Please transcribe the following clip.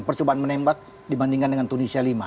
percobaan menembak dibandingkan dengan tunisia lima